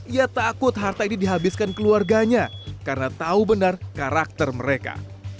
ia takut harta ini dihabiskan keluarganya karena tahu benar karakter mereka